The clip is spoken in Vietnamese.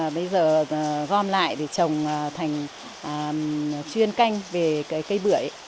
bây giờ gom lại thì trồng thành chuyên canh về cây bưởi